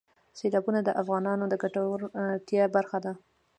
سیلابونه د افغانانو د ګټورتیا برخه ده.